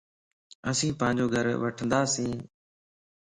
اسين پانجو گھر وٺندياسين